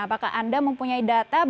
apakah anda mempunyai data